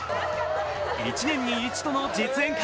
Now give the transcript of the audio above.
一年に一度の実演会。